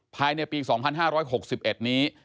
ภายในปี๒๕๖๑นี้